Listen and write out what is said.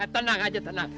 tenang aja tenang